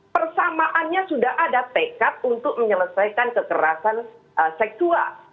persamaannya sudah ada tekad untuk menyelesaikan kekerasan seksual